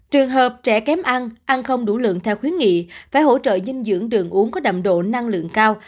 trường hợp trẻ kém ăn ăn không đủ lượng theo khuyến nghị phải hỗ trợ dinh dưỡng đường uống có đậm độ năng lượng cao